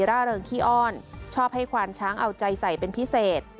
ร่าเริงขี้อ้อนชอบให้ควานช้างเอาใจใส่เป็นพิเศษ